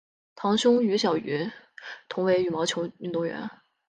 堂兄于小渝同为羽毛球运动员。